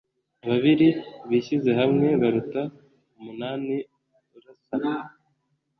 ababiri bishyize hamwe baruta umunani urasana